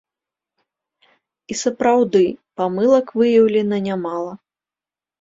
І сапраўды, памылак выяўлена нямала.